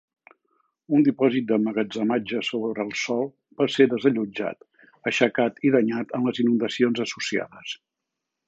Un dipòsit d'emmagatzematge sobre el sòl va ser desallotjat, aixecat i danyat en les inundacions associades.